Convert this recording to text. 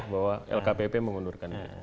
bahwa lkpp mengundurkannya